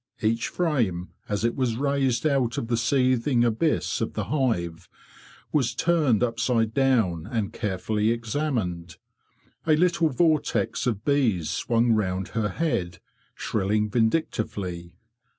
Each frame, as it was raised out of the seething abyss of the hive, was turned upside down and carefully examined. A little vortex of bees swung round her head, shrilling vindictively.